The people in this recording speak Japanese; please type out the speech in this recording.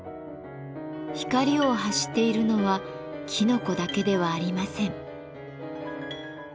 光を発しているのはきのこだけではありません。